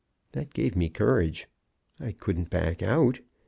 That gave me courage. I wouldn't back out.